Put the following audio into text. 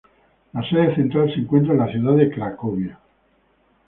La sede central se encuentra en la ciudad de Cracovia.